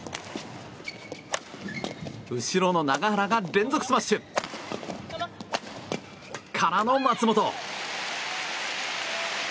後ろの永原が連続スマッシュ！からの、松本！